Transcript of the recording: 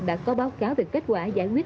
đã có báo cáo về kết quả giải quyết